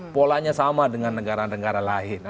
polanya sama dengan negara negara lain